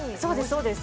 そうです